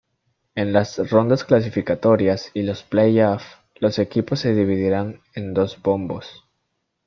En las rondas clasificatorias y los play-off, los equipos se dividirán en dos bombos.